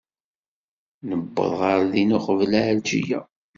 Nuweḍ ɣer din uqbel Ɛelǧiya.